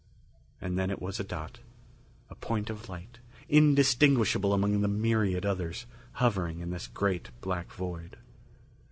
And then it was a dot, a point of light indistinguishable among the myriad others hovering in this great black void.